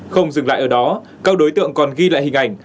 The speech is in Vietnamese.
không dừng lại ở đó các đối tượng còn ghi lại hình ảnh